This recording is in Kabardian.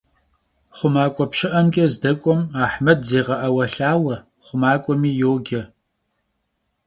Xhumak'ue pşı'emç'e zdek'uem Ahmed zêğe'euelhaue, xhumak'uemi yoce.